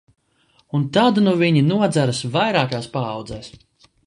Un tad nu viņi nodzeras vairākās paaudzēs.